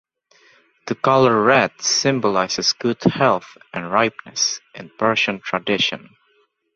The colour red symbolizes good health and ripeness in Persian tradition.